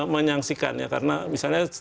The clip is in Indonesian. menyaksikan ya karena misalnya